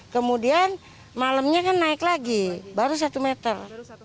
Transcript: kemudian malamnya kan naik lagi baru satu meter